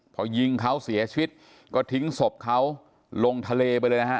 พอยิงเขาเสียชีวิตก็ทิ้งศพเขาลงทะเลไปเลยนะฮะ